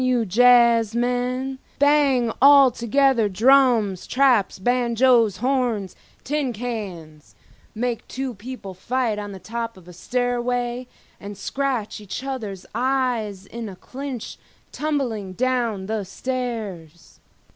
you jazzmen, bang altogether drums, traps, banjoes, horns, tin cans—make two people fight on the top of a stairway and scratch each other's eyes in a clinch tumbling down the stairs.